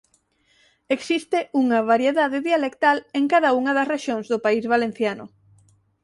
Existe unha variedade dialectal en cada unha das rexións do País Valenciano.